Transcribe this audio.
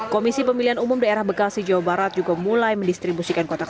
komisi pemilihan umum daerah bekasi jawa barat juga mulai mendistribusikan kotak